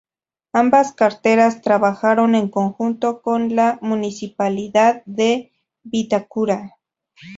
Ambas carteras trabajaron en conjunto con la Municipalidad de Vitacura.